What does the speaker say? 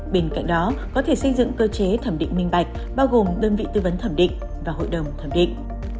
bên cạnh đó có thể xây dựng cơ chế thẩm định minh bạch bao gồm đơn vị tư vấn thẩm định và hội đồng thẩm định